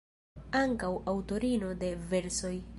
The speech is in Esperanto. Ankaŭ aŭtorino de versoj.